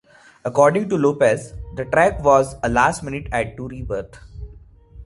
According to Lopez, the track was a "last minute" add to "Rebirth".